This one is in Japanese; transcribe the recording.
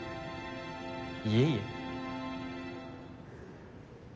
いえいえ。